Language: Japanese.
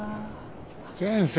先生。